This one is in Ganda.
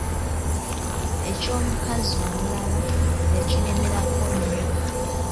Eky'omukazi omulala yakiremerako nnyo.